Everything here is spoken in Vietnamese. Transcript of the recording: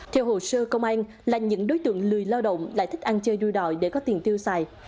theo hồ sơ công an là những đối tượng lười lao động lại thích ăn chơi đuôi đòi để có tiền tiêu xài